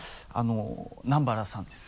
南原さんです。